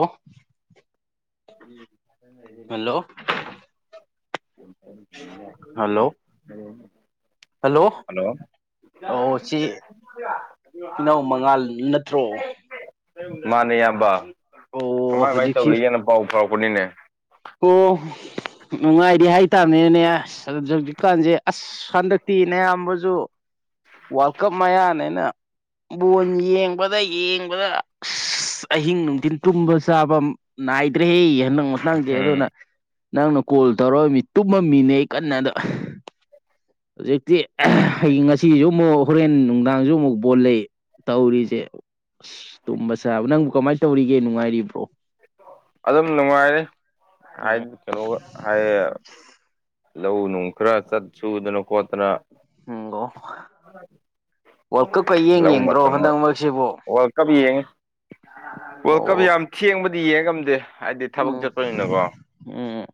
ꯑꯣ [inaudible] ꯎꯝ hello hello hello ꯑꯣ ꯁꯤ ꯏꯅꯥꯎ ꯃꯉꯥꯜ ꯅꯠꯇ꯭ꯔꯣ ꯃꯥꯅꯦ ꯏꯌꯥꯝꯕ ꯑꯣ ꯀꯃꯥꯏ ꯀꯃꯥꯏꯅ ꯍꯧꯖꯤꯛꯁꯤ ꯇꯧꯔꯤꯒꯦꯅ ꯄꯥꯎ ꯐꯥꯎꯔꯛꯄꯅꯤꯅꯦ ꯑꯣ ꯅꯨꯡꯉꯥꯏꯔꯤ ꯍꯥꯏꯇꯥꯔꯅꯦꯅꯅꯦ ꯑꯁ ꯍꯧꯖꯤꯛꯀꯥꯟꯁꯦ ꯑꯁ ꯍꯟꯗꯛꯇꯤ ꯑꯌꯥꯝꯕꯁꯨ ꯋꯥꯔꯜ ꯀꯞ ꯃꯌꯥꯅꯦꯅ ꯕꯣꯟ ꯌꯦꯡꯕꯗ ꯌꯦꯡꯕꯗ ꯑꯍꯤꯡ ꯅꯨꯡꯊꯤꯟ ꯇꯨꯝꯕ ꯆꯥꯕ ꯅꯥꯏꯗ꯭ꯔꯦ ꯍꯟꯗꯛ ꯃꯇꯥꯡꯁꯦ ꯎꯝ ꯑꯗꯨꯅ ꯅꯪꯅ ꯀꯣꯜ ꯇꯧꯔꯃꯤ ꯇꯨꯝꯃꯝꯃꯤꯅꯦ ꯑꯩ ꯀꯟꯅꯗ ꯍꯧꯖꯤꯛꯇꯤ ꯍꯌꯦꯡ ꯉꯁꯤꯁꯨ ꯑꯃꯨꯛ ꯍꯣꯔꯦꯟ ꯅꯨꯡꯗꯥꯡꯁꯨ ꯑꯃꯨꯛ ꯕꯣꯜ ꯂꯩ ꯇꯧꯔꯤꯁꯦ ꯑꯁ ꯇꯨꯝꯕ ꯆꯥꯕ ꯅꯪꯕꯨ ꯀꯃꯥꯏ ꯇꯧꯔꯤꯒꯦ ꯅꯨꯡꯉꯥꯏꯔꯤꯕ꯭ꯔꯣ ꯑꯗꯨꯝ ꯅꯨꯡꯉꯥꯏꯔꯦ ꯍꯥꯏ ꯎꯝ ꯀꯩꯅꯣꯒ ꯍꯥꯏꯌꯦ ꯂꯧ ꯅꯨꯡ ꯈꯔ ꯆꯠ ꯁꯨꯗꯅ ꯈꯣꯠꯇꯅ ꯎꯝ ꯑꯣ ꯋꯥꯔꯜ ꯀꯞꯀ [unintelligible] ꯌꯦꯡ ꯂꯧ ꯌꯦꯡꯗ꯭ꯔꯣ ꯃꯇꯝꯅ ꯍꯟꯗꯛ ꯃꯔꯛꯁꯤꯕꯨ ꯋꯥꯔ꯭ꯜꯀꯞ ꯌꯦꯡꯉꯦ꯫ ꯋꯥꯔꯜ ꯀꯞ ꯑꯣ ꯌꯥꯝ ꯊꯦꯡꯕꯗꯤ ꯌꯦꯡ ꯉꯝꯗꯦ ꯍꯥꯏꯗꯤ ꯊꯕꯛ ꯎꯝ ꯆꯠꯄꯅꯤꯅꯀꯣ ꯎꯝ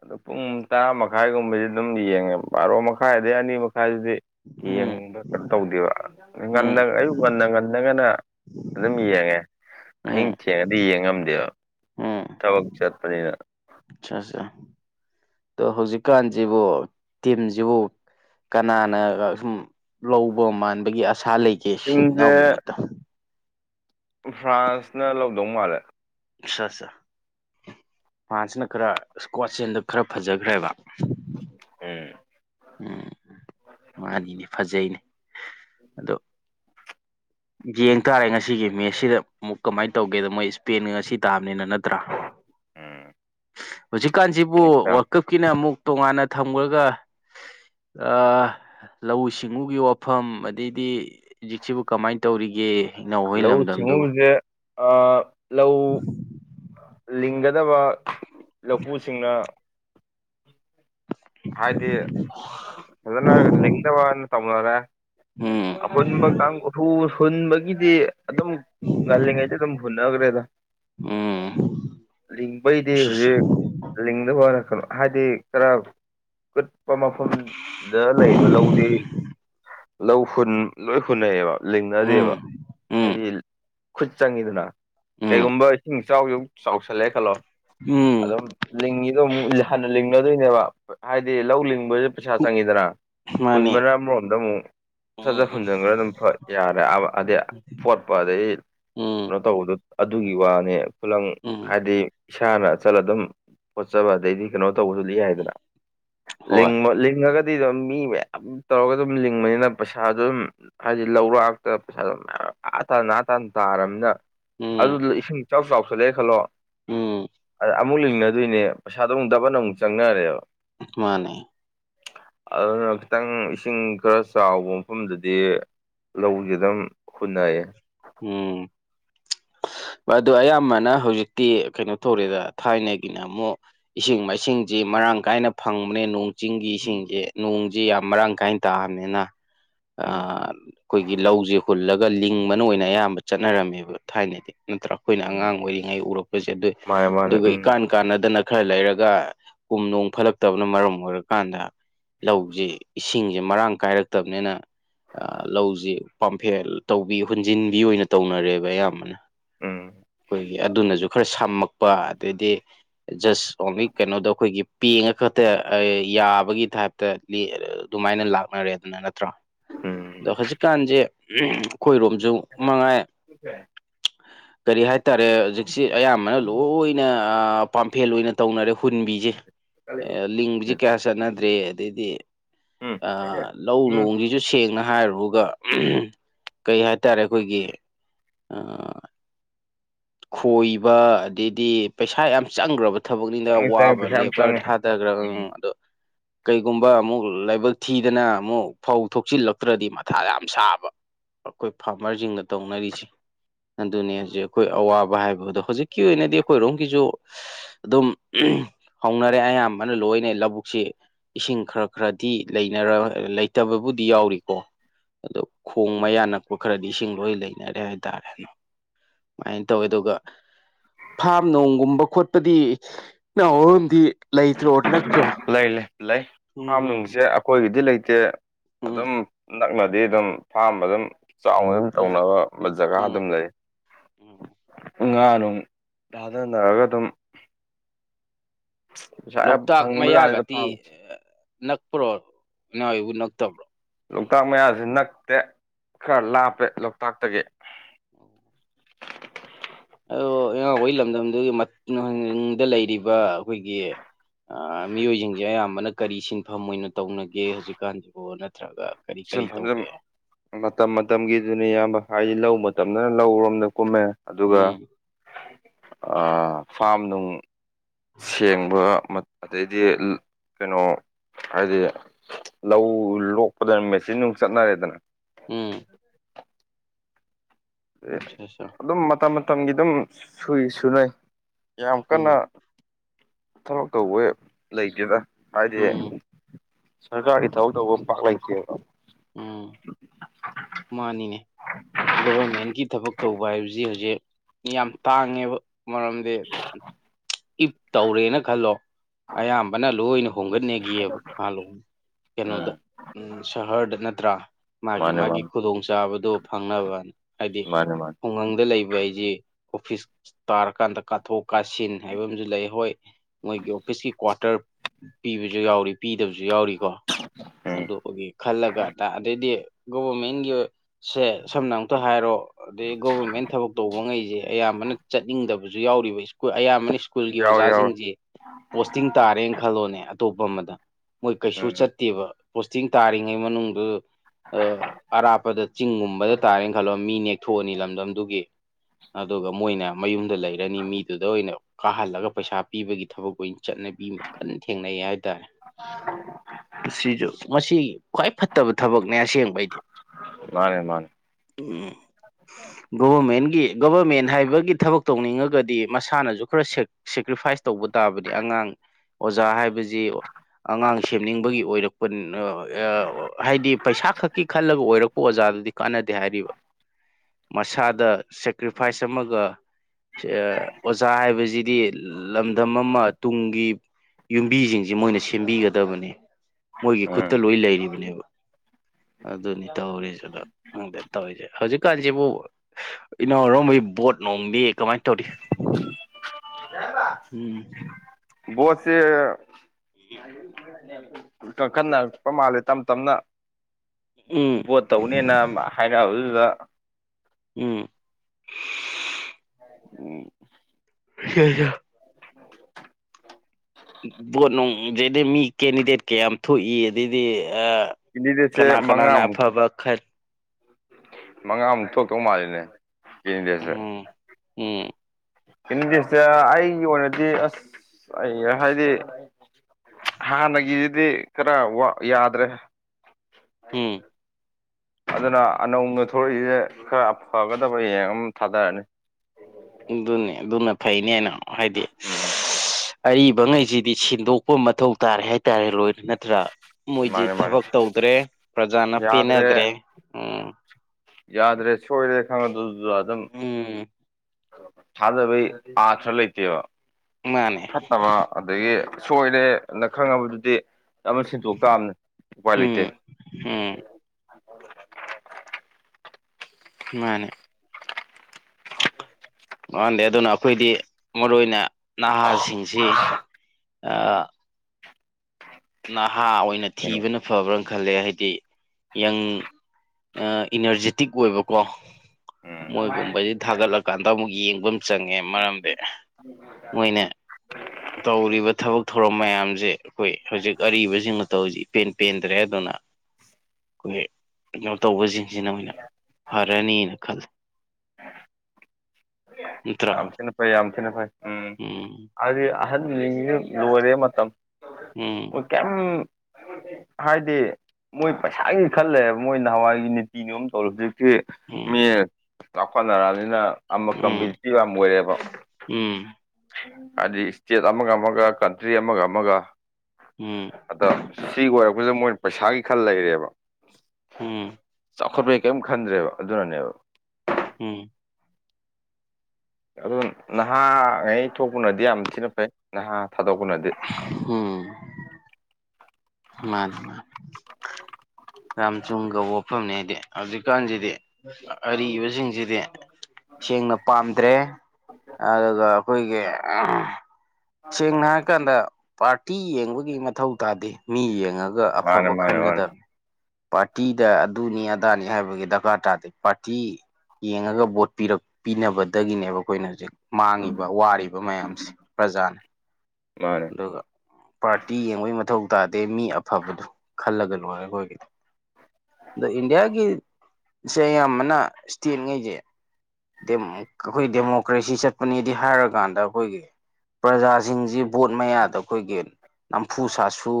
ꯑꯗꯣ ꯄꯨꯡ ꯇꯔꯥ ꯃꯈꯥꯏꯒꯨꯝꯕꯗꯤ ꯑꯗꯨꯝ ꯌꯦꯡꯉꯦꯕ ꯕꯥꯔꯣ ꯃꯈꯥꯏ ꯗꯩ ꯑꯅꯤ ꯃꯈꯥꯏ ꯈꯥꯏꯕꯗꯤ ꯎꯝ ꯌꯦꯡꯕ ꯀꯩꯅꯣ ꯇꯧꯗꯦꯕ ꯉꯟꯅ ꯎꯝ ꯑꯌꯨꯛ ꯉꯟꯅ ꯉꯟꯅ ꯉꯟꯂꯒꯅ ꯑꯗꯨꯝ ꯌꯦꯡꯉꯦ ꯑꯍꯤꯡ ꯎꯝ ꯊꯦꯡꯉꯗꯤ ꯌꯦꯡꯉꯝ ꯗꯦ ꯎꯝ ꯊꯕꯛ ꯆꯠꯄꯅꯤꯅ ꯑꯆꯥ ꯑꯆꯥ ꯑꯗꯣ ꯍꯧꯖꯤꯛꯀꯥꯟꯁꯤꯕꯨ ꯇꯤꯝꯁꯤꯕꯨ ꯀꯅꯥꯅꯒꯥ ꯁꯨꯝ ꯂꯧꯕ ꯃꯥꯟꯕꯒꯤ ꯑꯁꯥ ꯂꯩꯒꯦ ꯁꯤ ꯏꯅꯥꯎꯒꯤ ꯌꯨꯝꯁꯦ ꯃꯣꯠꯇ ꯐ꯭ꯔꯥꯟꯁꯅ ꯂꯧꯗꯧ ꯃꯥꯜꯂꯦ ꯑꯠꯁꯥ ꯑꯠꯁꯥ ꯐ꯭ꯔꯥꯟꯁꯅ ꯈꯔ ꯏꯁꯀ꯭ꯋꯥꯠꯁꯦ ꯍꯟꯗꯛ ꯈꯔ ꯐꯖꯈ꯭ꯔꯦꯕ ꯎꯝ ꯎꯝ ꯃꯥꯅꯤꯅꯦ ꯐꯖꯩꯅꯦ ꯑꯗꯣ ꯌꯦꯡ ꯇꯥꯔꯦ ꯉꯁꯤꯒꯤ ꯃꯦꯠꯁꯁꯤꯗ ꯑꯃꯨꯛ ꯀꯃꯥꯏꯅ ꯇꯧꯒꯦꯗ ꯃꯣꯏ ꯏꯁꯄꯦꯟꯒ ꯉꯁꯤ ꯇꯥꯕꯅꯤꯅ ꯅꯠꯇ꯭ꯔꯥ ꯎꯝ ꯍꯧꯖꯤꯛꯀꯥꯟꯁꯤꯕꯨ ꯑꯦꯛꯖꯥꯝ ꯋꯥꯔꯜ ꯀꯞ ꯀꯤꯅ ꯑꯃꯨꯛ ꯇꯣꯉꯥꯟꯅ ꯊꯝꯒꯔꯒ ꯑ ꯂꯧꯎ ꯁꯤꯡꯎꯒꯤ ꯋꯥ ꯃꯐꯝ ꯑꯗꯩꯗꯤ ꯍꯧꯖꯤꯛꯁꯤꯕꯨ ꯀꯃꯥꯏꯅ ꯇꯧꯔꯤꯒꯦ ꯏꯅꯥꯎꯍꯣꯏ ꯂꯝꯗꯝꯗꯨꯕꯨ ꯑ ꯂꯧ ꯂꯤꯡꯒꯗꯕ ꯂꯧꯄꯨꯁꯤꯡꯅ ꯍꯥꯏꯗꯤ ꯐꯖꯅ ꯂꯤꯡꯅꯕꯅ ꯇꯧꯅꯔꯦ ꯎꯝ ꯑꯄꯨꯟꯕ ꯀꯥꯡꯕꯨ [unintelligible] ꯍꯨꯟꯕꯒꯤꯗꯤ ꯑꯗꯨꯝ ꯉꯜꯂꯤꯉꯩꯗ ꯑꯗꯨꯝ ꯍꯨꯟꯅꯈ꯭ꯔꯦꯗ ꯎꯝ ꯂꯤꯡꯕꯩꯗꯤ ꯍꯧꯖꯤꯛ ꯂꯤꯡꯅꯕ ꯀꯩꯅꯣ ꯍꯥꯏꯗꯤ ꯈꯔ ꯀꯨꯠꯄ ꯃꯐꯝꯗ ꯂꯩꯕ ꯂꯧꯗꯤ ꯂꯧ ꯍꯨꯟ ꯂꯣꯏ ꯍꯨꯟꯅꯩꯌꯦꯕ ꯂꯤꯡꯅꯗꯦꯕ ꯎꯝ ꯎꯝ ꯍꯥꯏꯗꯤ ꯈꯨꯠ ꯆꯪꯉꯤꯗꯅ ꯀꯩꯒꯨꯝꯕ ꯏꯁꯤꯡ ꯏꯆꯥꯎꯒꯤ ꯆꯥꯎꯁꯜꯂꯦ ꯈꯜꯂꯣ ꯎꯝ ꯑꯗꯨꯝ ꯂꯤꯡꯉꯤꯗꯣ ꯑꯃꯨꯛ ꯍꯟꯅ ꯂꯤꯡꯅꯗꯣꯏꯅꯦꯕ ꯍꯥꯏꯗꯤ ꯂꯧ ꯂꯤꯡꯕꯁꯨ ꯄꯩꯁꯥ ꯎꯝ ꯆꯪꯉꯤꯗꯅ ꯃꯥꯅꯤ ꯍꯨꯟꯕꯅ ꯑꯃꯔꯣꯝꯗ ꯑꯃꯨꯛ ꯁꯠꯆꯠ ꯎꯝ ꯍꯨꯟꯖꯟꯈ꯭ꯔ ꯑꯗꯨꯝ ꯌꯥꯔꯦ ꯑꯗꯩ ꯐꯣꯠꯄ ꯑꯗꯩ ꯎꯝ ꯀꯩꯅꯣ ꯇꯧꯕꯗꯣ ꯑꯗꯨꯒꯤ ꯋꯥꯅꯦ ꯈꯨꯂꯪ ꯎꯝ ꯍꯥꯏꯗꯤ ꯏꯁꯥꯅ ꯆꯠꯂ ꯑꯗꯨꯝ ꯈꯣꯠꯆꯕ ꯑꯗꯩꯗꯤ ꯀꯩꯅꯣ ꯇꯧꯕꯁꯨ ꯌꯥꯏꯗꯅ ꯍꯣꯏ ꯂꯤꯡꯕ ꯂꯤꯡꯉꯒꯗꯤ ꯑꯗꯨꯝ ꯃꯤ ꯃꯌꯥꯝ ꯇꯧꯔꯒ ꯑꯗꯨꯝ ꯂꯤꯡꯕꯅꯤꯅ ꯄꯩꯁꯥꯁꯨ ꯑꯗꯨꯝ ꯍꯥꯏꯗꯤ ꯂꯧꯔꯥꯛꯇ ꯄꯩꯁꯥꯗꯣ ꯃꯌꯥꯝ ꯑꯥ ꯇꯥꯟꯅꯥ ꯑꯥ ꯇꯥꯟ ꯇꯥꯔꯕꯅꯤꯅ ꯑꯗꯨ ꯎꯝ ꯏꯁꯤꯡ ꯏꯆꯥꯎ ꯆꯥꯎꯁꯠꯂꯦ ꯈꯜꯂꯣ ꯎꯝ ꯑ ꯑꯃꯨꯛ ꯂꯤꯡꯅꯗꯣꯏꯅꯦ ꯄꯩꯁꯥꯗꯣ ꯑꯃꯨꯛ ꯗꯕꯅ ꯑꯃꯨꯛ ꯆꯪꯅꯔꯦꯕ ꯃꯥꯅꯦ ꯑꯗꯨꯅ ꯈꯤꯇꯪ ꯏꯁꯤꯡ ꯈꯔ ꯆꯥꯎꯕ ꯃꯐꯝꯗꯗꯤ ꯂꯧꯁꯤ ꯑꯗꯨꯝ ꯍꯨꯟꯅꯩꯌꯦ ꯎꯝ ꯑꯗꯣ ꯑꯌꯥꯝꯕꯅ ꯍꯧꯖꯤꯛꯇꯤ ꯀꯩꯅꯣ ꯇꯧꯔꯦꯗ ꯊꯥꯏꯅꯒꯤꯅ ꯑꯃꯨꯛ ꯏꯁꯤꯡ ꯃꯥꯏꯁꯤꯡꯁꯤ ꯃꯔꯥꯡ ꯀꯥꯏꯅ ꯐꯪꯕꯅꯦ ꯅꯣꯡ ꯆꯤꯡꯒꯤ ꯏꯁꯤꯡꯁꯦ ꯅꯣꯡꯁꯤ ꯌꯥꯝ ꯃꯔꯥꯡ ꯀꯥꯏꯅ ꯇꯕꯅꯦꯅ [inaudible] ꯑ ꯑꯩꯈꯣꯏꯒꯤ ꯂꯧꯁꯦ ꯍꯨꯜꯂꯒ ꯂꯤꯡꯕꯅ ꯑꯣꯏꯅ ꯑꯌꯥꯝꯕ ꯆꯠꯅꯔꯝꯃꯦꯕ ꯊꯥꯏꯅꯗꯤ ꯅꯠꯇ꯭ꯔ ꯑꯩꯈꯣꯏꯅ ꯎꯝ ꯑꯉꯥꯡ ꯑꯣꯏꯔꯤꯉꯩ ꯎꯔꯛꯄꯁꯦ ꯑꯗꯨꯏ ꯃꯥꯅꯦ ꯃꯥꯅꯦ ꯑꯗꯨꯒ ꯎꯝ ꯏꯀꯥꯟ ꯀꯥꯟꯅꯗꯅ ꯈꯔ ꯂꯩꯔꯒ ꯀꯨꯝ ꯅꯨꯡ ꯐꯠꯂꯛꯇꯕꯅ ꯃꯔꯝ ꯑꯣꯏꯔꯀꯥꯟꯗ ꯂꯧꯖꯤ ꯏꯁꯤꯡꯁꯦ ꯃꯔꯥꯡ ꯀꯥꯏꯔꯛꯇꯕꯅꯦꯅ ꯂꯧꯁꯤ ꯄꯥꯝꯐꯦꯜ ꯇꯧꯕꯤ ꯍꯨꯟꯖꯤꯟꯕꯤ ꯑꯣꯏꯅ ꯇꯧꯅꯔꯦꯕ ꯑꯌꯥꯝꯕꯅ ꯎꯝ ꯑꯩꯈꯣꯏꯒꯤ ꯑꯗꯨꯅꯁꯨ ꯈꯔ ꯁꯝꯃꯛꯄ ꯑꯗꯩꯗꯤ ꯖꯁ ꯑꯣꯡꯂꯤ ꯀꯩꯅꯣꯗꯣ ꯑꯩꯈꯣꯏꯒꯤ ꯄꯦꯡꯉ ꯈꯛꯇ ꯑ ꯌꯥꯕꯒꯤ ꯇꯥꯏꯞꯇ ꯑꯗꯨꯃꯥꯏꯅ ꯂꯥꯛꯅꯔꯦ ꯑꯗꯨꯅ ꯅꯠꯇ꯭ꯔꯥ ꯎꯝ ꯑꯗꯣ ꯍꯧꯖꯤꯛꯀꯥꯟꯖꯦ ꯑꯩꯈꯣꯏꯔꯣꯝꯖꯨ ꯃꯉꯥꯏ ꯁꯤꯁꯦ ꯀꯔꯤ ꯍꯥꯏꯇꯥꯔꯦ ꯍꯧꯖꯤꯛꯁꯤ ꯑꯌꯥꯝꯕꯅ ꯂꯣꯏ ꯑꯩꯅ ꯑꯥ ꯄꯥꯝꯐꯦꯜ ꯑꯣꯏꯅ ꯇꯧꯅꯔꯦ ꯍꯨꯟꯕꯤꯖꯦ ꯑꯦ ꯂꯤꯡꯕꯖꯤ ꯀꯌꯥ ꯆꯠꯅꯗ꯭ꯔꯦ ꯑꯗꯩꯗꯤ ꯎꯝ ꯑꯥ ꯂꯧ ꯎꯝ ꯅꯣꯡꯖꯤꯖꯨ ꯁꯦꯡꯅ ꯍꯥꯏꯔꯣꯒꯥ ꯀꯩ ꯍꯥꯏꯇꯥꯔꯦ ꯑꯩꯈꯣꯏꯒꯤ ꯈꯣꯏꯕ ꯑꯗꯩꯗꯤ ꯄꯩꯁꯥ ꯌꯥꯝ ꯆꯪꯒ꯭ꯔꯕ ꯊꯕꯛꯅꯤꯡꯗ ꯆꯪꯉꯦ ꯆꯪꯉꯦ ꯋꯥꯕ ꯄꯩꯁꯥ ꯌꯥꯝ ꯂꯦꯕꯔ ꯆꯪꯉꯦ ꯊꯥꯗꯈ꯭ꯔꯒ ꯎꯝ ꯑꯗꯣ ꯀꯩꯒꯨꯝꯕ ꯑꯃꯨꯛ ꯂꯥꯏꯕꯛ ꯊꯤꯗꯅ ꯑꯃꯨꯛ ꯐꯧ ꯊꯣꯛꯆꯤꯜꯂꯛꯇ꯭ꯔꯗꯤ ꯃꯊꯥ ꯌꯥꯝ ꯁꯥꯕ ꯑꯩꯈꯣꯏ ꯐꯥꯔꯃꯔꯁꯤꯡꯅ ꯇꯧꯅꯔꯤꯁꯦ ꯑꯗꯨꯅꯦ ꯍꯧꯖꯤꯛ ꯑꯩꯈꯣꯏ ꯑꯋꯥꯕ ꯍꯥꯏꯕꯣ ꯍꯧꯖꯤꯛꯀꯤ ꯑꯣꯏꯅꯗꯤ ꯑꯩꯈꯣꯏꯔꯣꯝꯒꯤꯁꯨ ꯑꯗꯨꯝ ꯍꯧꯅꯔꯦ ꯑꯌꯥꯝꯕꯅ ꯂꯣꯏꯅ ꯂꯧꯕꯨꯛꯁꯤ ꯏꯁꯤꯡ ꯈꯔ ꯈꯔꯗꯤ ꯂꯩꯔ ꯂꯩꯇꯕꯕꯨꯗꯤ ꯌꯥꯎꯔꯤꯀꯣ ꯑꯗꯣ ꯈꯣꯡ ꯃꯌꯥ ꯅꯛꯄ ꯈꯔꯗꯤ ꯏꯁꯤꯡ ꯂꯣꯏ ꯂꯩꯅꯔꯦ ꯍꯥꯏꯇꯥꯔꯦ ꯁꯨꯃꯥꯏꯅ ꯇꯧꯋꯦ ꯑꯗꯨꯒ ꯐꯥꯔꯝ ꯅꯣꯡꯒꯨꯝꯕ ꯈꯣꯠꯄꯗꯤ ꯅꯪ ꯍꯣꯔꯣꯟꯗꯤ ꯂꯩꯇ꯭ꯔꯣ ꯅꯛꯇ꯭ꯔꯣ ꯂꯩ ꯂꯩ ꯂꯩ ꯐꯥꯝ ꯅꯨꯡꯁꯦ ꯑꯩꯈꯣꯏꯒꯤꯗꯤ ꯂꯩꯇꯦ ꯎꯝ ꯑꯗꯨꯝ ꯅꯛꯅꯗꯤ ꯑꯗꯨꯝ ꯐꯥꯝ ꯑꯗꯨꯝ ꯆꯥꯎꯅ ꯑꯗꯨꯝ ꯎꯝ ꯇꯧꯅꯕ ꯖꯒꯥ ꯎꯝ ꯑꯗꯨꯝ ꯂꯩ ꯎꯝ ꯉꯥ ꯅꯨꯡ ꯊꯥꯗꯅꯔꯒ ꯑꯗꯨꯝ ꯄꯩꯁꯥ ꯌꯥꯝ ꯂꯣꯛꯇꯥꯛ ꯐꯪꯕꯖꯥꯠꯅꯤꯗ ꯃꯌꯥꯒꯗꯤ ꯐꯥꯝꯁꯦ ꯅꯛꯄ꯭ꯔꯣ ꯅꯣꯏꯕꯨ ꯅꯛꯇꯕ꯭ꯔꯣ ꯂꯣꯛꯇꯥꯛ ꯃꯌꯥꯁꯤ ꯅꯛꯇꯦ ꯈꯔ ꯂꯥꯞꯄꯦ ꯂꯣꯛꯇꯥꯛꯇꯒꯤ ꯑꯗꯣ ꯑꯩꯉꯥꯡ ꯍꯣꯏ ꯂꯝꯗꯝꯗꯨꯒꯤ ꯃꯠ ꯅꯡꯗ ꯂꯩꯔꯤꯕ ꯑꯩꯈꯣꯏꯒꯤ ꯑ ꯃꯤꯑꯣꯏꯖꯤꯡꯖꯦ ꯑꯌꯥꯝꯕꯅ ꯀꯔꯤ ꯁꯤꯟꯐꯝ ꯑꯣꯏꯅ ꯇꯧꯅꯒꯦ ꯍꯧꯖꯤꯛꯀꯥꯟꯁꯤꯕꯣ ꯅꯠꯇ꯭ꯔꯒ ꯀꯔꯤ ꯀꯔꯤ ꯇꯧꯒꯦ ꯁꯤꯟꯐꯝꯖꯟꯕ ꯃꯇꯝ ꯃꯇꯝꯒꯤꯗꯨꯅꯤ ꯏꯌꯥꯝꯕ ꯍꯥꯏꯗꯤ ꯂꯧ ꯃꯇꯝꯗꯅ ꯂꯧꯔꯣꯝꯗ ꯀꯨꯝꯃꯦ ꯑꯗꯨꯒ ꯎꯝ ꯑꯥ ꯐꯥꯝ ꯅꯨꯡ ꯁꯦꯡꯕ ꯃꯠ ꯑꯗꯩꯗꯤ ꯀꯩꯅꯣ ꯍꯥꯏꯗꯤ ꯂꯧ ꯂꯣꯛꯄꯗꯅ ꯃꯦꯆꯤꯟ ꯅꯨꯡ ꯆꯠꯅꯔꯦꯗꯅ ꯎꯝ ꯑꯦ ꯁꯦꯁꯥ ꯑꯗꯨꯝ ꯃꯇꯝ ꯃꯇꯝꯒꯤ ꯑꯗꯨꯝ ꯁꯨꯏ ꯁꯨꯅꯩ ꯌꯥꯝ ꯀꯟꯅ ꯎꯝ ꯊꯕꯛ ꯇꯧꯕ ꯂꯩꯇꯦꯗ ꯍꯥꯏꯗꯤ ꯎꯝ ꯁꯔꯀꯥꯔꯒꯤ ꯊꯕꯛ ꯇꯧꯕ ꯄꯥꯛ ꯂꯩꯇꯦꯕ ꯎꯝ ꯃꯥꯅꯤꯅꯦ ꯒꯣꯕꯔꯃꯦꯟꯀꯤ ꯊꯕꯛ ꯇꯧꯕ ꯍꯥꯏꯕꯖꯤ ꯍꯧꯖꯤꯛ ꯌꯥꯝ ꯇꯥꯡꯉꯦꯕ ꯃꯔꯝ ꯗꯤꯞ ꯏꯞ ꯇꯧꯔꯦꯅ ꯈꯜꯂꯣ ꯑꯌꯥꯝꯕꯅ ꯂꯣꯏꯅ ꯍꯣꯡꯒꯠꯅꯒꯤꯕ ꯏꯝꯐꯥꯜꯂꯣꯝ ꯀꯩꯅꯣꯗ ꯎꯝ ꯎꯝ ꯁꯍꯔꯗ ꯅꯠꯇ꯭ꯔꯥ ꯃꯥꯒꯤ ꯃꯥꯅꯦ ꯃꯥꯒꯤ ꯃꯥꯅꯦ ꯈꯨꯗꯣꯡ ꯆꯥꯕꯗꯣ ꯐꯪꯅꯕꯅ ꯍꯥꯏꯗꯤ ꯃꯥꯅꯦ ꯃꯥꯅꯦ ꯈꯨꯡꯒꯪꯗ ꯂꯩꯕ ꯑꯩꯖꯤ ꯑꯣꯐꯤꯁ ꯇꯥꯔꯀꯥꯟꯗ ꯀꯥꯊꯣꯛ ꯀꯥꯁꯤꯟ ꯍꯥꯏꯕ ꯑꯃꯖꯨ ꯂꯩ ꯍꯣꯏ ꯃꯣꯏꯒꯤ ꯑꯣꯐꯤꯁꯀꯤ ꯀ꯭ꯋꯥꯇꯔ ꯄꯤꯕꯖꯨ ꯌꯥꯎꯔꯤ ꯄꯤꯗꯕꯁꯨ ꯌꯥꯎꯔꯤꯀꯣ ꯎꯝ ꯑꯗꯨꯒꯤ ꯈꯜꯂꯒ ꯑꯗ ꯑꯗꯩꯗꯤ ꯒꯣꯚꯔꯃꯦꯟꯒꯤ ꯁꯦ ꯁꯝꯅ ꯑꯝꯇ ꯍꯥꯏꯔꯣ ꯑꯗꯩ ꯒꯣꯕꯔꯃꯦꯟ ꯊꯕꯛ ꯇꯧꯕ ꯉꯩꯖꯦ ꯑꯌꯥꯝꯕꯅ ꯆꯠꯅꯤꯡꯗꯕ ꯍꯧꯖꯤꯛ ꯌꯥꯎꯔꯤꯕ ꯁ꯭ꯀꯨ ꯑꯌꯥꯝꯕꯅ ꯁ꯭ꯀꯨꯜꯒꯤ ꯌꯥꯎꯋꯦ ꯌꯥꯎꯋꯦ ꯑꯣꯖꯥꯖꯤꯡꯖꯦ ꯄꯣꯁꯇꯤꯡ ꯇꯥꯔꯦꯅ ꯈꯜꯂꯣꯅꯦ ꯑꯇꯣꯞꯄ ꯑꯃꯗ ꯃꯣꯏ ꯀꯩꯁꯨ ꯎꯝ ꯎꯝ ꯆꯠꯇꯦꯕ ꯄꯣꯁꯇꯤꯡ ꯇꯥꯔꯤꯉꯩ ꯃꯅꯨꯡꯗꯨ ꯑ ꯑꯔꯥꯞꯄꯗ ꯆꯤꯡꯒꯨꯝꯕꯗ ꯇꯥꯔꯦꯅ ꯈꯜꯂꯣ ꯃꯤ ꯅꯦꯛꯊꯣꯛꯑꯅꯤ ꯂꯝꯗꯝꯗꯨꯒꯤ ꯑꯗꯨꯒ ꯃꯣꯏꯅ ꯃꯌꯨꯝꯗ ꯂꯩꯔꯅꯤ ꯃꯤꯗꯨꯗ ꯑꯣꯏꯅ ꯀꯥꯍꯜꯂꯒ ꯄꯩꯁꯥ ꯄꯤꯕꯒꯤ ꯊꯕꯛ ꯑꯣꯏꯅ ꯆꯠꯅꯩ ꯀꯟꯅ ꯊꯦꯡꯅꯩ ꯍꯥꯏꯇꯥꯔꯦ ꯁꯤꯁꯨ ꯃꯁꯤ ꯈ꯭ꯋꯥꯏ ꯐ ꯊꯕꯛꯅꯦ ꯑꯁꯦꯡꯕ ꯑꯩꯗꯤ ꯃꯥꯅꯦ ꯃꯥꯅꯦ ꯎꯝ ꯒꯣꯕꯔꯃꯦꯟꯒꯤ ꯒꯣꯚꯔꯃꯦꯟ ꯍꯥꯏꯕꯒꯤ ꯊꯕꯛ ꯇꯧꯅꯤꯡꯉꯒꯗꯤ ꯃꯁꯥꯅꯁꯨ ꯈꯔ ꯁꯦꯀ꯭ꯔꯤꯐꯥꯏꯁ ꯇꯧꯕ ꯇꯥꯕꯅꯤ ꯑꯉꯥꯡ ꯑꯣꯖꯥ ꯍꯥꯏꯕꯁꯤ ꯑꯉꯥꯡ ꯁꯦꯝꯅꯤꯡꯕꯒꯤ ꯑꯣꯏꯔꯛꯄ ꯍꯥꯏꯗꯤ ꯄꯩꯁꯥ ꯈꯛꯀꯤ ꯈꯜꯂꯒ ꯑꯣꯏꯔꯛꯄ ꯑꯣꯖꯥꯗꯨꯗꯤ ꯀꯥꯟꯅꯗꯦ ꯍꯥꯏꯔꯤꯕ ꯃꯁꯥꯗ ꯁꯦꯀ꯭ꯔꯤꯐꯥꯏꯁ ꯑꯃꯒ ꯑꯣꯖꯥ ꯍꯥꯏꯕꯁꯤꯗꯤ ꯂꯝꯗꯝ ꯑꯃ ꯇꯨꯡꯒꯤ ꯌꯨꯝꯕꯤꯖꯤꯡꯖꯤ ꯃꯣꯏꯅ ꯁꯦꯝꯕꯤꯒꯗꯕꯅꯦ ꯃꯣꯏꯒꯤ ꯈꯨꯠꯇ ꯎꯝ ꯂꯣꯏꯅ ꯂꯩꯔꯤꯕꯅꯦꯕ ꯑꯗꯨꯅꯤ ꯇꯧꯔꯤꯖꯦ ꯑꯗꯣ ꯈꯪꯗꯦ ꯇꯧꯔꯤꯖꯦ ꯍꯧꯖꯤꯛꯀꯥꯟꯁꯤꯕꯨ ꯏꯅꯥꯎꯔꯣꯡꯕꯒꯤ ꯕꯣꯠ ꯅꯣꯝꯗꯤ ꯀꯃꯥꯏ ꯇꯧꯔꯤ ꯎꯝ ꯕꯣꯠꯁꯦ ꯀꯟꯈꯠꯅꯔꯛꯄ ꯃꯥꯜꯂꯦ ꯇꯞ ꯇꯞꯅ ꯎꯝ ꯕꯣꯠ ꯇꯧꯅꯦꯅ ꯑꯃ ꯍꯥꯏꯅꯕꯗꯨꯗ ꯎꯝ ꯎꯝ ꯑꯣꯆꯥ ꯎꯝ ꯕꯣꯠ ꯅꯨꯡꯖꯩꯗ ꯃꯤ ꯀꯦꯟꯗꯤꯗꯦꯠ ꯀꯌꯥꯝ ꯊꯣꯛꯏ ꯑꯗꯩꯗꯤ ꯀꯅꯥ ꯀꯦꯟꯗꯤꯗꯦꯠꯁꯦ ꯀꯅꯥꯅ ꯃꯉꯥꯃꯨꯛ ꯑꯐꯕ ꯈ ꯃꯉꯥꯃꯨꯛ ꯊꯣꯛꯇꯧ ꯃꯥꯜꯂꯤꯅꯦ ꯀꯦꯟꯗꯤꯗꯦꯠꯁꯦ ꯎꯝ ꯎꯝ ꯍꯤꯟꯗꯤꯁꯁꯦ ꯑꯩꯒꯤ ꯑꯣꯏꯅꯗꯤ ꯑꯁ ꯑꯩ ꯍꯥꯏꯗꯤ ꯍꯥꯟꯅꯒꯤꯁꯤꯗꯤ ꯈꯔ ꯌꯥꯗ꯭ꯔꯦ ꯎꯝ ꯑꯗꯨꯅ ꯑꯅꯧꯅ ꯊꯣꯛꯂꯛꯏꯁꯦ ꯈꯔ ꯐꯒꯗꯕ ꯌꯦꯡ ꯑꯃ ꯊꯥꯗꯔꯅꯤ ꯑꯗꯨꯅꯦ ꯑꯗꯨꯅ ꯐꯩꯅꯦꯅ ꯍꯥꯏꯗꯤ ꯎꯝ ꯑꯔꯤꯕ ꯉꯩꯁꯤꯗꯤ ꯁꯤꯟꯗꯣꯛꯄ ꯃꯊꯧ ꯇꯥꯔꯦ ꯍꯥꯏꯇꯥꯔꯦ ꯂꯣꯏꯅ ꯅꯠꯇ꯭ꯔꯥ ꯃꯣꯏꯁꯦ ꯃꯥꯅꯦ ꯃꯥꯅꯦ ꯊꯕꯛ ꯇꯧꯗ꯭ꯔꯦ ꯄ꯭ꯔꯖꯥꯅ ꯌꯥꯗ꯭ꯔꯦ ꯄꯦꯟꯅꯗ꯭ꯔꯦ ꯎꯝ ꯌꯥꯗ꯭ꯔꯦ ꯁꯣꯏꯔꯦ ꯈꯪꯉ ꯑꯗꯨꯗꯨꯗ ꯑꯗꯨꯝ ꯎꯝ ꯊꯥꯖꯕꯩ ꯑꯥ ꯈꯔ ꯂꯩꯇꯦꯕ ꯃꯥꯅꯦ ꯐꯠꯇꯕ ꯑꯗꯒꯤ ꯁꯣꯏꯔꯦꯅ ꯈꯪꯉꯕꯗꯨꯗꯤ ꯌꯥꯝꯅ ꯁꯤꯟꯗꯣꯛ ꯇꯥꯑꯕꯅꯤ ꯎꯄꯥꯏ ꯂꯩꯇꯦ ꯍꯝ ꯃꯥꯅꯦ ꯉꯥꯟꯗꯦ ꯑꯗꯨꯅ ꯑꯩꯈꯣꯏꯗꯤ ꯃꯔꯨ ꯑꯣꯏꯅ ꯅꯍꯥꯁꯤꯡꯁꯤ ꯎꯝ ꯅꯍꯥ ꯑꯣꯏꯅ ꯎꯝ ꯊꯤꯕꯅ ꯐꯕ꯭ꯔꯥꯅ ꯈꯜꯂꯦ ꯍꯥꯏꯗꯤ ꯌꯡ ꯏꯅꯔꯖꯤꯦꯇꯤꯛ ꯑꯣꯏꯕꯀꯣ ꯎꯝ ꯃꯣꯏꯒꯨꯝꯕꯁꯦ ꯊꯥꯒꯠꯂꯀꯥꯟꯗ ꯑꯃꯨꯛ ꯌꯦꯡꯕ ꯑꯃ ꯆꯪꯉꯦ ꯃꯔꯝꯗꯤ ꯃꯣꯏꯅ ꯇꯧꯔꯤꯕ ꯊꯕꯛ ꯊꯧꯔꯝ ꯃꯌꯥꯝꯁꯦ ꯑꯩꯈꯣꯏ ꯍꯧꯖꯤꯛ ꯑꯔꯤꯕꯁꯤꯡ ꯃꯇꯧ ꯍꯧꯖꯤꯛ ꯏꯄꯦꯟ ꯄꯦꯟꯗ꯭ꯔꯦ ꯑꯗꯨꯅ ꯑꯩꯈꯣꯏ ꯀꯩꯅꯣ ꯇꯧꯕꯁꯤꯡꯁꯤꯅ ꯃꯣꯏꯅ ꯐꯔꯅꯤꯅ ꯈꯜꯂꯤꯦ ꯑ ꯅꯠꯇ꯭ꯔꯥ ꯌꯥꯝ ꯊꯤꯅ ꯐꯩ ꯌꯥꯝ ꯊꯤꯅ ꯐꯩ ꯎꯝ ꯍꯥꯏꯗꯤ ꯑꯍꯟꯉꯤ ꯂꯣꯏꯔꯦ ꯃꯇꯝ ꯎꯝ ꯣꯏ ꯀꯔꯤ ꯍꯥꯏꯗꯤ ꯃꯣꯏ ꯄꯩꯁꯥꯒꯤ ꯈꯜꯂꯦꯕ ꯃꯣꯏꯅ ꯍꯋꯥꯏꯒꯤ ꯅꯤꯇꯤ ꯅꯤꯣꯝ ꯇꯧꯔꯦ ꯍꯧꯖꯤꯛꯇꯤ ꯎꯝ ꯃꯤ ꯆꯥꯎꯈꯠꯅꯔꯛꯑꯅꯤꯅ ꯑꯃ ꯎꯝ ꯀꯝꯄꯤꯇꯤꯇꯤꯕ ꯌꯥꯝ ꯑꯣꯏꯔꯦꯕ ꯎꯝ ꯍꯥꯏꯗꯤ ꯏꯁꯇꯦꯠ ꯑꯃꯒ ꯑꯃꯒ ꯀꯟꯇ꯭ꯔꯤ ꯑꯃꯒ ꯑꯃꯒ ꯎꯝ ꯑꯗꯣ ꯁꯤ ꯑꯣꯏꯔꯛꯄꯁꯤꯗ ꯃꯣꯏꯅ ꯄꯩꯁꯥꯒꯤ ꯈꯜ ꯂꯩꯔꯦꯕ ꯎꯝ ꯆꯥꯎꯈꯠꯄꯩ ꯀꯔꯤꯝ ꯈꯟꯗ꯭ꯔꯦꯕ ꯑꯗꯨꯅꯅꯦꯕ ꯎꯝ ꯑꯗꯨꯅꯥ ꯅꯍꯥꯉꯩ ꯊꯣꯛꯄꯅꯗꯤ ꯌꯥꯝ ꯊꯤꯅ ꯐꯩ ꯅꯍꯥ ꯊꯥꯗꯣꯛꯄꯅꯗꯤ ꯎꯝ ꯃꯥꯅꯦ ꯃꯥꯅꯦ ꯌꯥꯝ ꯆꯨꯝꯒꯔꯕ ꯋꯥꯐꯝꯅꯦ ꯍꯥꯏꯗꯤ ꯍꯧꯖꯤꯛꯀꯥꯟꯁꯤꯗꯤ ꯑꯔꯤꯕꯁꯤꯡꯁꯤꯗꯤ ꯁꯦꯡꯅ ꯄꯥꯝꯗ꯭ꯔꯦ ꯑꯗꯨꯒ ꯑꯩꯈꯣꯏꯒꯤ ꯁꯦꯡꯅ ꯍꯥꯏꯔ ꯀꯥꯟꯗ ꯄꯥꯔꯇꯤ ꯌꯦꯡꯕꯒꯤ ꯃꯊꯧ ꯇꯥꯗꯦ ꯃꯤ ꯌꯦꯡꯉꯒ ꯃꯥꯅꯦ ꯑꯐꯕ ꯃꯥꯅꯦ ꯃꯥꯅꯦ ꯈꯟꯒꯗꯕ ꯄꯥꯔꯇꯤꯗ ꯑꯗꯨꯅꯤ ꯑꯗꯥꯅꯤ ꯍꯥꯏꯕꯒꯤ ꯗꯔꯀꯥꯔ ꯇꯥꯔꯗꯦ ꯄꯥꯔꯇꯤ ꯌꯦꯡꯉꯒ ꯕꯣꯠ ꯄꯤꯔꯛ ꯄꯤꯅꯕꯗꯒꯤꯅꯦꯕ ꯑꯩꯈꯣꯏꯅ ꯍꯧꯖꯤꯛ ꯃꯥꯡꯉꯤꯕ ꯋꯥꯔꯤꯕ ꯃꯌꯥꯝꯁꯦ ꯄ꯭ꯔꯖꯥꯅ ꯃꯥ ꯑꯗꯨꯒ ꯄꯥꯔꯇꯤ ꯌꯦꯡꯕꯒꯤ ꯃꯊꯧ ꯇꯥꯗꯦ ꯃꯤ ꯑꯐꯕꯗꯨ ꯈꯜꯂꯒ ꯂꯣꯏꯔꯦ ꯑꯩꯈꯣꯏꯒꯤꯗꯤ ꯑꯗꯣ ꯏꯟꯗꯤꯌꯥꯒꯤꯁꯦ ꯑꯌꯥꯝꯕꯅ ꯏꯁꯇꯦꯠꯉꯩꯁꯦ ꯑꯩꯈꯣꯏ ꯗꯦꯃꯣꯀ꯭ꯔꯦꯁꯤ ꯆꯠꯄꯅꯦꯗꯤ ꯍꯥꯏꯔꯀꯥꯟꯗ ꯑꯩꯈꯣꯏꯒꯤ ꯄ꯭ꯔꯖꯥꯁꯤꯡꯁꯤ ꯕꯣꯠ ꯃꯌꯥꯗ ꯑꯩꯈꯣꯏꯒꯤ ꯅꯝꯐꯨ ꯁꯥꯁꯨ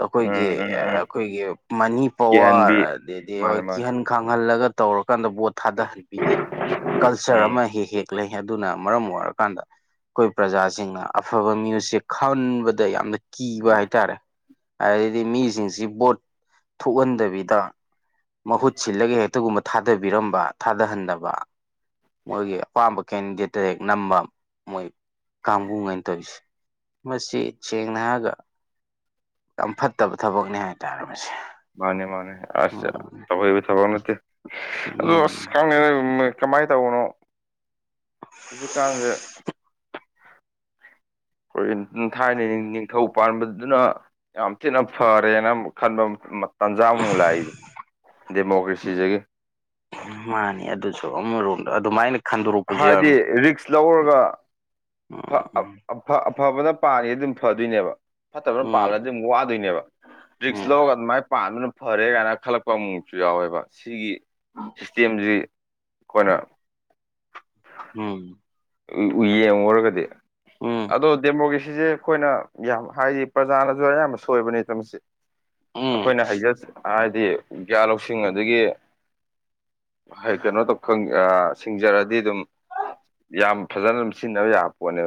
ꯑꯩꯈꯣꯏꯒꯤ ꯎꯝ ꯎꯝ ꯎꯝ ꯑꯩꯈꯣꯏꯒꯤ ꯃꯅꯤ ꯄꯋꯥꯔ ꯀꯤꯍꯟꯕꯤ ꯑꯗꯩꯗꯤ ꯃꯥꯅꯦ ꯍꯣꯏ ꯃꯥꯅꯦ ꯀꯤꯍꯟ ꯈꯪꯍꯜꯂꯒ ꯇꯧꯔꯀꯥꯟꯗ ꯕꯣꯠ ꯊꯥꯗꯍꯟꯕꯤꯒꯤ ꯀꯜꯆꯔ ꯎꯝ ꯑꯃ ꯍꯦꯛ ꯍꯦꯛ ꯂꯩ ꯑꯗꯨꯅ ꯃꯔꯝ ꯑꯣꯏꯔꯀꯥꯟꯗ ꯑꯩꯈꯣꯏ ꯄ꯭ꯔꯖꯥꯁꯤꯡꯅ ꯑꯐꯕ ꯁꯦ ꯈꯟꯕꯗ ꯌꯥꯝꯅ ꯀꯤꯕ ꯍꯥꯏꯇꯥꯔꯦ ꯑꯗꯩꯩꯗꯤ ꯃꯤꯁꯤꯡꯁꯤ ꯕꯣꯠ ꯊꯣꯛꯍꯟꯗꯕꯤꯗ ꯃꯍꯨꯠ ꯁꯤꯜꯂꯒ ꯍꯦꯛꯇꯒꯨꯝꯕ ꯊꯥꯗꯕꯤꯔꯝꯕ ꯊꯥꯗꯍꯟꯗꯕ ꯃꯣꯏꯒꯤ ꯑꯄꯥꯝꯕ ꯀꯦꯟꯗꯤꯗꯦꯠꯇ ꯍꯦꯛ ꯅꯝꯕ ꯃꯣꯏ ꯀꯥꯡꯕꯨꯨ ꯉꯩꯅ ꯇꯧꯔꯤꯁꯦ ꯃꯁꯤ ꯁꯦꯡꯅ ꯍꯥꯏꯔꯒ ꯌꯥꯝ ꯐꯠꯇꯕ ꯊꯕꯛꯅꯤ ꯍꯥꯏꯇꯥꯔꯦ ꯃꯁꯤ ꯃꯥꯅꯦ ꯃꯥꯅꯦ ꯑꯁ ꯇꯧꯍꯩꯕ ꯊꯕꯛ ꯅꯠꯇꯦ ꯑꯗꯨ ꯑꯁ ꯎꯝ ꯈꯪꯗꯦꯗꯥ ꯀꯃꯥꯏꯅ ꯇꯧꯕꯅꯣ ꯍꯧꯖꯤꯛꯀꯥꯟꯁꯦ ꯍꯣꯔ ꯊꯥꯏꯅꯒꯤ ꯅꯤꯡꯊꯧ ꯄꯥꯟꯕꯗꯨꯅ ꯌꯥꯝ ꯊꯤꯅ ꯐꯔꯦꯅ ꯑꯃꯨꯛ ꯈꯟꯕ ꯇꯥꯟꯖꯥꯃꯨꯛ ꯂꯥꯛꯏꯌꯦ ꯗꯦꯃꯣꯀ꯭ꯔꯦꯁꯤ ꯗꯒꯤ ꯃꯥꯅꯤ ꯑꯗꯨꯁꯨ ꯑꯃꯔꯣꯝꯗ ꯑꯗꯨꯃꯥꯏꯅ ꯈꯟꯗꯣꯔꯛꯄꯁꯨ ꯍꯥꯏꯗꯤ ꯌꯥꯎꯔꯝꯃꯦ ꯔꯤꯛꯁ ꯂꯧꯔꯒ ꯑꯐꯥ ꯑꯐ ꯑꯐꯕꯅ ꯄꯟꯒꯦꯗꯤ ꯑꯗꯨꯝ ꯐꯗꯣꯏꯅꯦꯕ ꯐꯠꯇꯕꯅ ꯎꯝ ꯄꯥꯜꯂꯗꯤ ꯑꯗꯨꯝ ꯋꯥꯗꯣꯏꯅꯦꯕ ꯎꯝ ꯔꯤꯛꯁ ꯂꯧꯔꯒ ꯑꯗꯨꯃꯥꯏꯅ ꯄꯥꯟꯕꯅ ꯐꯔꯦ ꯀꯥꯏꯅ ꯈꯜꯂꯛꯄ ꯑꯃꯨꯛ ꯑꯃꯨꯛꯁꯨ ꯌꯥꯎꯋꯦꯕ ꯁꯤꯒꯤ ꯁꯤꯁꯇꯦꯝꯁꯤ ꯑꯩꯈꯣꯏꯅ ꯎꯝ ꯌꯦꯡꯉꯨꯔꯒꯗꯤ ꯎꯝ ꯑꯗꯣ ꯗꯦꯃꯣꯀ꯭ꯔꯦꯁꯤꯁꯦ ꯑꯩꯈꯣꯏꯅ ꯌꯥꯝ ꯍꯥꯏꯗꯤ ꯄ꯭ꯔꯖꯥꯅꯁꯨ ꯑꯌꯥꯝꯕ ꯁꯣꯏꯕꯅꯤꯗ ꯃꯁꯤ ꯎꯝ ꯎꯝ ꯑꯩꯈꯣꯏꯅ ꯍꯩꯖꯁ ꯍꯥꯏꯗꯤ ꯒ꯭ꯌꯥꯟ ꯂꯧꯁꯤꯡ ꯑꯗꯒꯤ ꯀꯩꯅꯣ ꯇꯧ ꯁꯤꯡꯖꯔꯗꯤ ꯑꯗꯨꯝ ꯌꯥꯝ ꯐꯖꯅ ꯑꯗꯨꯝ ꯁꯤꯖꯤꯟꯅꯕ ꯌꯥꯕ ꯄꯣꯠꯅꯦꯕ